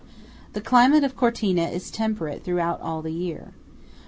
The climate of Cortina is temperate throughout the year.